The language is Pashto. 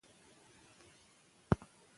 د جګړې د مفکورو پر ځای، سولې ته اړتیا ده.